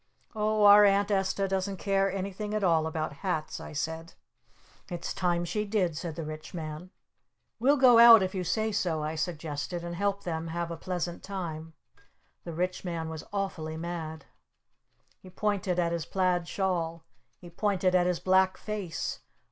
"Oh, our Aunt Esta doesn't care anything at all about hats," I said. "It's time she did!" said the Rich Man. "We'll go out if you say so," I suggested, "and help them have a pleasant time." The Rich Man was awful mad. He pointed at his plaid shawl! He pointed at his black face!